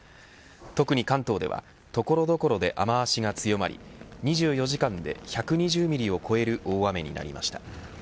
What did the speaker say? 特に関東では所々で雨脚が強まり、２４時間で１２０ミリを超える大雨になりました。